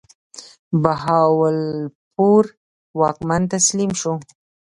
بهاولپور واکمن تسلیم شو.